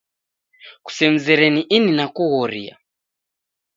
Kusemzere ni ini nakughoria.